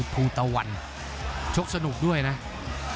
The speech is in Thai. ภูตวรรณสิทธิ์บุญมีน้ำเงิน